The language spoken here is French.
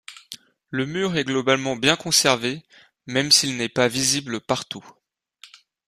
Le mur est globalement bien conservé, même s'il n'est pas visible partout.